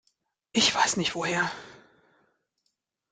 Ich weiß nicht woher.